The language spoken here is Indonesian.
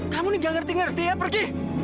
kamu nih gak ngerti ngerti ya pergi